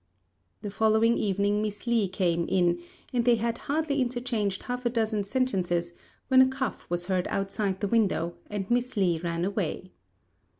The following evening Miss Li came in; and they had hardly interchanged half a dozen sentences when a cough was heard outside the window, and Miss Li ran away.